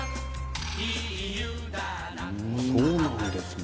「そうなんですね」